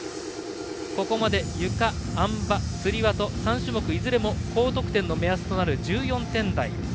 ここまでゆか、あん馬、つり輪と３種目いずれも高得点の目安となる１４点台。